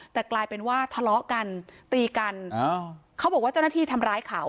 แต่กลายเป็นว่าทะเลาะกันตีกันเขาบอกว่าเจ้าหน้าที่ทำร้ายเขา